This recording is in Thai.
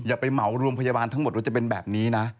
อย่าไปเหมารวมพยาบาลทั้งหมดว่าจะเป็นแบบนี้นะ